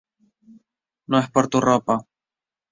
No es por tu ropa.